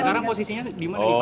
sekarang posisinya dimana pak